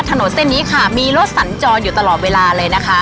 ถนนเส้นนี้ค่ะมีรถสัญจรอยู่ตลอดเวลาเลยนะคะ